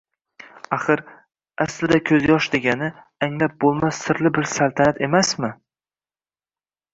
Axir, aslida ko‘zyosh degani — anglab bo'lmas sirli bir saltanat emasmi?